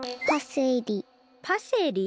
パセリ？